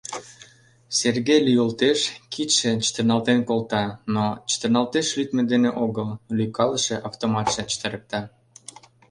Сергей лӱйылтеш, кидше чытырналтен колта, но чытырналтеш лӱдмӧ дене огыл — лӱйкалыше автоматше чытырыкта.